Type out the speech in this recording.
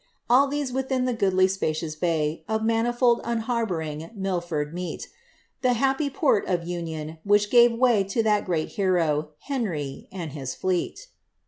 All these within the goodly spaoions bay Of manifold unharbooring Milford meet. The happy port of union, which gave way To that great hero, Henry,' and his fleet.'